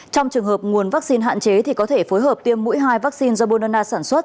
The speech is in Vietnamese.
trong trường hợp nguồn vaccine hạn chế thì có thể phối hợp tiêm mũi hai vaccine do brna sản xuất